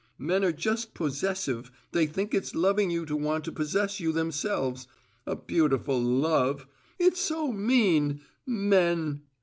Men are just possessive; they think it's loving you to want to possess you themselves. A beautiful `love'! It's so mean! Men!"